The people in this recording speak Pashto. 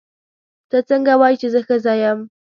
ته څنګه وایې چې زه ښځه یم.